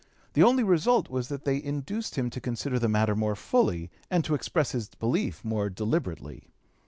The only result was that they induced him to consider the matter more (p. 263) fully, and to express his belief more deliberately.